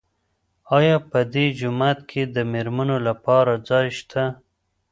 آیا په دې جومات کې د مېرمنو لپاره ځای شته؟